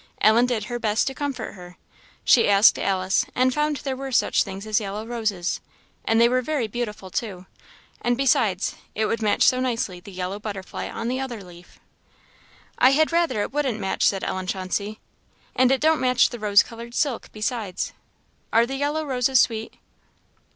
Ellen did her best to comfort her. She asked Alice, and found there were such things as yellow roses, and they were very beautiful, too; and, besides, it would match so nicely the yellow butterfly on the other leaf. "I had rather it wouldn't match!" said Ellen Chauncey; "and it don't match the rose coloured silk, besides. Are the yellow roses sweet?"